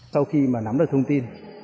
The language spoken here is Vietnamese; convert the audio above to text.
sau khi mà nắm được thông tin